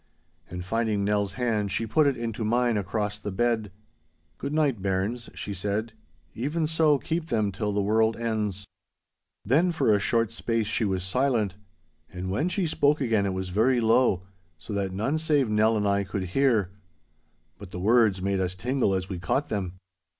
And finding Nell's hand she put it into mine across the bed. 'Good night, bairns,' she said, 'even so keep them till the world ends!' Then for a short space she was silent, and when she spoke again it was very low, so that none save Nell and I could hear. But the words made us tingle as we caught them.